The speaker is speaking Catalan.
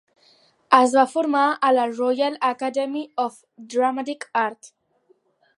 Es va formar a la Royal Academy of Dramatic Art.